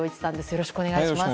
よろしくお願いします。